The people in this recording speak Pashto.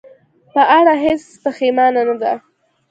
په اړه هېڅ پښېمانه نه ده.